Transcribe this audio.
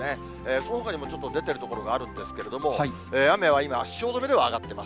そのほかにもちょっと出てる所があるんですけれども、雨は今、汐留では上がってます。